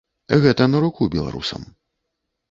Гэта на руку беларусам.